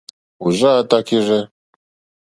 Òrzáā tākírzɛ́.